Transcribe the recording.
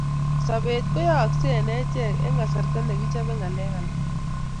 Sobet ko cheyoyoskei eng achek eng kasarta nekichobe ngalek alak